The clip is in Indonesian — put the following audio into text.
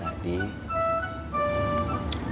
mang badru datang kesini